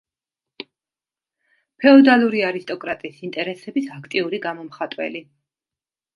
ფეოდალური არისტოკრატიის ინტერესების აქტიური გამომხატველი.